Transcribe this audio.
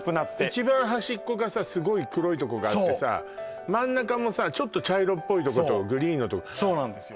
一番端っこがさすごい黒いとこがあってさそう真ん中もさちょっと茶色っぽいとことグリーンのとこそうなんですよ